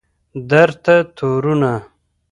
درته تورونه